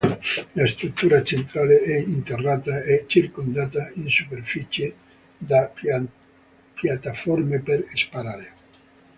La struttura centrale è interrata e circondata in superficie da piattaforme per sparare.